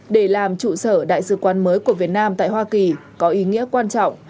để làm trụ sở đại sứ quán mới của việt nam tại hoa kỳ có ý nghĩa quan trọng